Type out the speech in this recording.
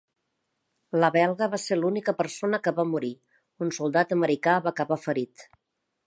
La belga va ser l'única persona que va morir. Un soldat americà va acabar ferit.